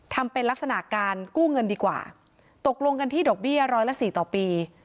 ทำเป็นลักษณะการกู้เงินดีกว่าตกลงกันที่ดอกเบี้ยร้อยละสี่ต่อปี